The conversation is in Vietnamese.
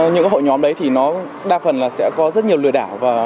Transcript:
những hội nhóm đấy thì nó đa phần là sẽ có rất nhiều lừa đảo